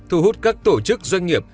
thu hút các tổ chức doanh nghiệp